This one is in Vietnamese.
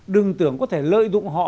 đừng tưởng có thể lợi dụng họ